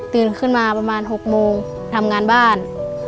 ขึ้นมาประมาณ๖โมงทำงานบ้าน